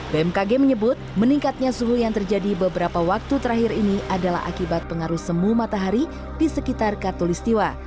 bmkg menyebut meningkatnya suhu yang terjadi beberapa waktu terakhir ini adalah akibat pengaruh semu matahari di sekitar katolistiwa